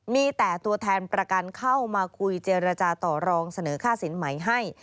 มีแต่ตัวแทนประกันเข้ามาคุยเจรจาต่อรองเสนอค่าสินใหม่ให้